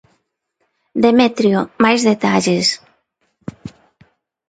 Demetrio, máis detalles...